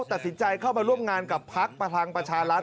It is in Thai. ตัดสินใจเข้ามาร่วมงานกับภัคดิ์ประทางประชารัส